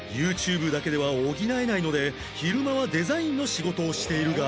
ＹｏｕＴｕｂｅ だけでは補えないので昼間はデザインの仕事をしているが